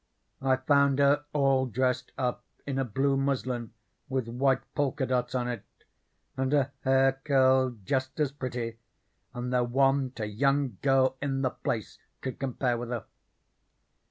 I found her all dressed up in a blue muslin with white polka dots on it, and her hair curled jest as pretty, and there wa'n't a young girl in the place could compare with her.